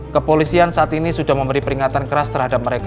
kepolisian saat ini sudah memberi peringatan keras terhadap mereka